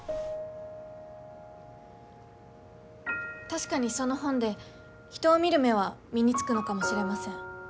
確かにその本で人を見る目は身につくのかもしれません。